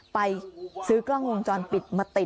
ไปซื้อกล้องวงจรปิดมาติด